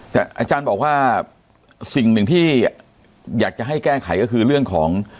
แต่อาจารย์บอกว่าสิ่งหนึ่งที่อยากจะให้แก้ไขก็คือเรื่องของ